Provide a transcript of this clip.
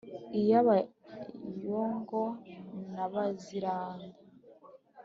iya bayongo na baziranda